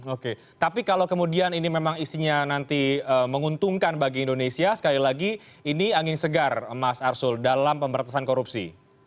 oke tapi kalau kemudian ini memang isinya nanti menguntungkan bagi indonesia sekali lagi ini angin segar mas arsul dalam pemberantasan korupsi